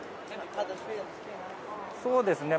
そうですね。